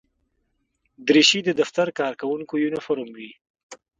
دریشي د دفتر کارکوونکو یونیفورم وي.